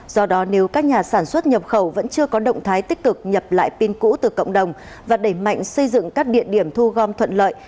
do đó nếu các nhà sản xuất nhập khẩu vẫn chưa có động thái tích cực nhập lại pin cũ từ cộng đồng và đẩy mạnh xây dựng các địa điểm thu gom thuận lợi